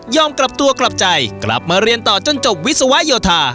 กลับตัวกลับใจกลับมาเรียนต่อจนจบวิศวโยธา